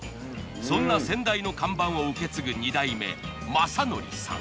そんな先代の看板を受け継ぐ２代目政則さん。